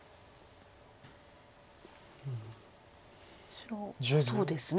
白そうですね